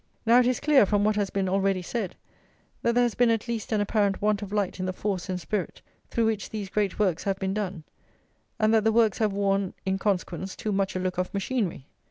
Now it is clear, from what has been already said, that there has been at least an apparent want of light in the force and spirit through which these great works have been done, and that the works have worn in consequence too much a look of machinery.